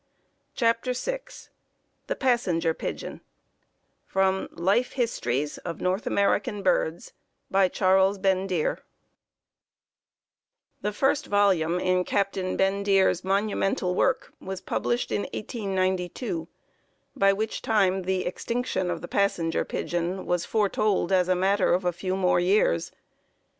CHAPTER VI The Passenger Pigeon From "Life Histories of North American Birds,"[B] by Charles Bendire [Footnote B: The first volume of Captain Bendire's monumental work was published in 1892, by which time the extinction of the Passenger Pigeon was foretold as a matter of a few more years.